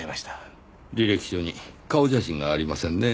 履歴書に顔写真がありませんねぇ。